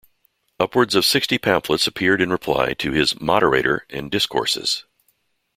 Upwards of sixty pamphlets appeared in reply to his "Moderator" and "Discourses".